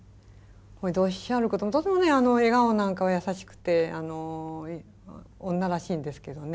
それでおっしゃることもとても笑顔なんかは優しくて女らしいんですけどね